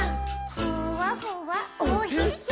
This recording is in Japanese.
「ふわふわおへそ」